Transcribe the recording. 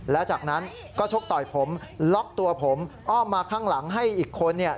และจากนั้นก็ชกต่อยผมล็อกตัวผมอ้อมมาข้างหลังให้อีกคนเนี่ย